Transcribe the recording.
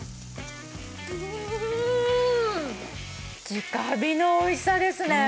直火のおいしさですね。